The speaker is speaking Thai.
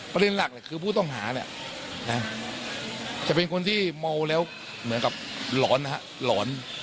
ประเด็นหลักคือผู้ต้องหาเนี่ยจะเป็นคนที่เมาแล้วเหมือนกับหลอนนะฮะหลอน